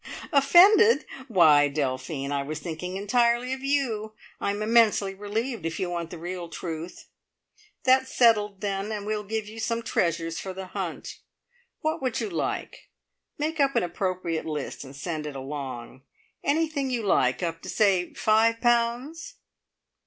"Offended! Why Delphine, I was thinking entirely of you. I'm immensely relieved, if you want the real truth. That's settled then, and we'll give you some treasures for the Hunt. What would you like? Make up an appropriate list and send it along. Anything you like, up to say five pounds!"